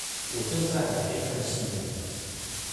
我正在海邊看夕陽